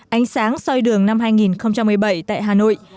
ánh sáng soi đường năm hai nghìn một mươi bảy tại hà nội